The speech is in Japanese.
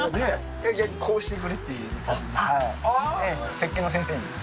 ええ設計の先生に。